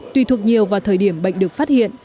tùy thuộc nhiều vào thời điểm bệnh được phát hiện